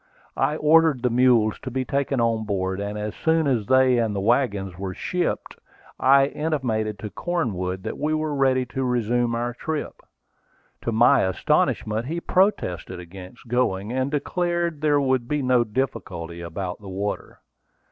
I ordered the mules to be taken on board; and as soon as they and the wagons were shipped, I intimated to Cornwood that we were ready to resume our trip. To my astonishment he protested against going, and declared there would be no difficulty about the water.